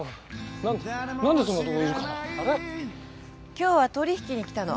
今日は取引に来たの。